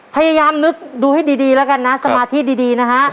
พยายามนึกดูให้ดีแล้วกันนะสมาธิดีนะฮะ